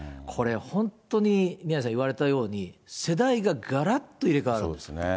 これ、本当に宮根さん言われたように、世代ががらっと入れ替わるんです。